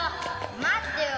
・・待ってよ